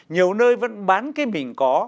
nhiều nơi vẫn bán cái mình có